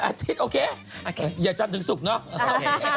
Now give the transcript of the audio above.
วันอาทิตย์โอเคอย่าจำถึงสุกเนาะ